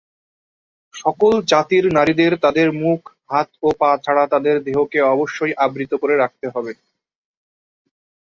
সকল জাতির নারীদের তাদের মুখ, হাত ও পা ছাড়া তাদের দেহকে অবশ্যই আবৃত করে রাখতে হবে।